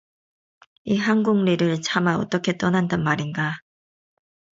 이 한곡리를 차마 어떻게 떠난단 말인가.